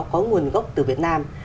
có nguồn gốc từ việt nam